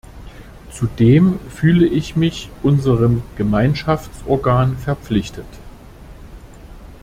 Zudem fühle ich mich unserem Gemeinschaftsorgan verpflichtet.